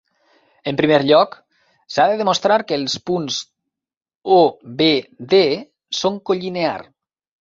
En primer lloc, s'ha de demostrar que els punts O, B, D són collinear.